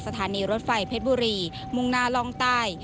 สถานีรถไฟเพชรบุรีมุ่งหน้าล่องใต้